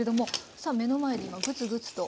さあ目の前で今グツグツと。